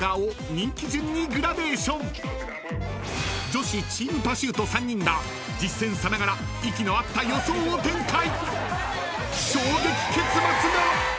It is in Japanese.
［女子チームパシュート３人が実戦さながら息の合った予想を展開！］